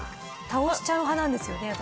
倒しちゃう派なんですよね、私。